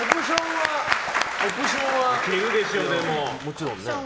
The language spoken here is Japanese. もちろんね。